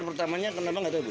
pertamanya kenapa enggak tahu ibu